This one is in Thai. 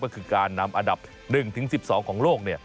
ก็คือการนำอันดับ๑๑๒ของโลก